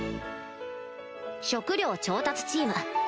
食料調達チーム